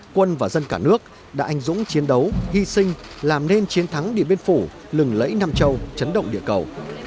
quân và dân cả nước đã anh dũng chiến đấu hy sinh làm nên chiến thắng điện biên phủ lừng lẫy nam châu chấn động địa cầu